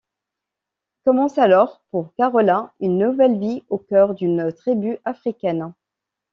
Commence alors pour Carola une nouvelle vie au cœur d'une tribu africaine.